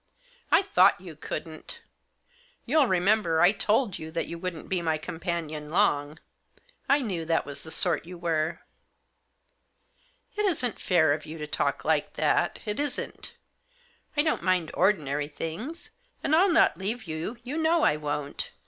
I thought you couldn't. You'll remember I told you that you wouldn't be my companion long. I knew that was the sort you were." " It isn't fair of you to talk like that — it isn't. I don't mind ordinary things — and I'll not leave you, you know I won't.